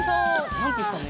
ジャンプしたね。